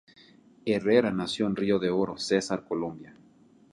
Herrera nació en Río de Oro, Cesar, Colombia.